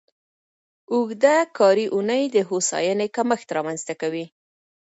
اوږده کاري اونۍ د هوساینې کمښت رامنځته کوي.